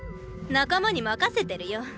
仲間に任せてるよ。